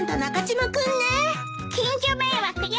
近所迷惑よ。